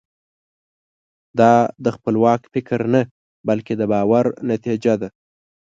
دا د خپلواک فکر نه بلکې د باور نتیجه ده.